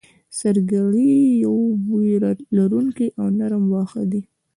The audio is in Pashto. سرګړی یو بوی لرونکی او نرم واخه دی